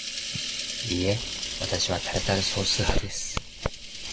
いいえ、わたしはタルタルソース派です